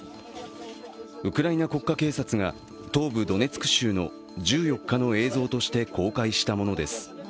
ウクライナ国家警察が東部ドネツク州の１４日の映像として公開したものです。